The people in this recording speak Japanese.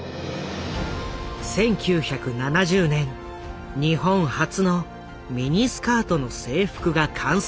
１９７０年日本初のミニスカートの制服が完成した。